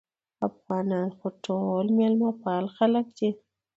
افغانان خو ټول مېلمه پاله خلک دي